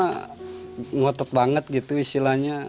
pokoknya dia mah ngotot banget gitu istilahnya